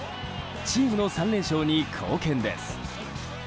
チームの３連勝に貢献です。